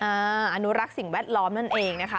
อนุรักษ์สิ่งแวดล้อมนั่นเองนะคะ